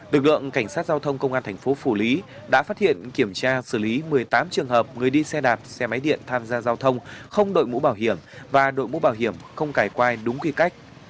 lực lượng cảnh sát giao thông công an thành phố phủ lý đã phát hiện kiểm tra xử lý một mươi tám trường hợp người đi xe đạp xe máy điện tham gia giao thông không đội mũ bảo hiểm và đội mũ bảo hiểm không cải quai đúng quy cách